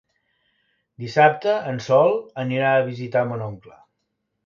Dissabte en Sol anirà a visitar mon oncle.